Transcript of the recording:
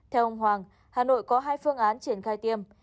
theo ông hoàng hà nội có hai phương án triển khai tiêm